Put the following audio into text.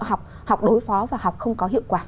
học học đối phó và học không có hiệu quả